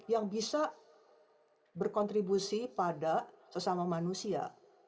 yang bisa berkontribusi pada sesama manusia